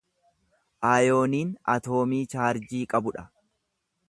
Ayooniin atoomii chaarjii qabu dha.